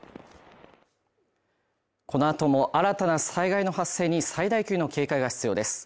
この後も新たな災害の発生に最大級の警戒が必要です。